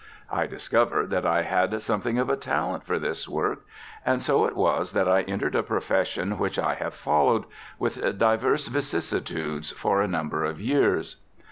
I discovered that I had something of a talent for this work; and so it was that I entered a profession which I have followed, with divers vicissitudes, for a number of years.